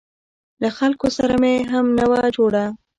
له خلکو سره مې هم نه وه جوړه.